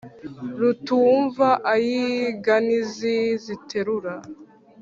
rutumva ay' inganizi ziterura